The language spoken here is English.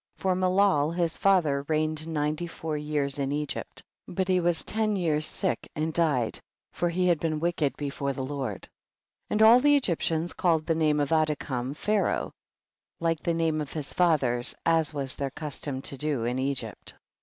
3. For Melol his father reigned ninety four years in Egypt, but he was ten years sick and died, for he had been wicked before the Lord. 4. And all the Egyptians called the name of Adikam Pharaoh like THE BOOK OF JASHER. 231 the name of his fathers, as was their custom to do in Egypt.